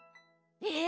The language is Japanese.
え？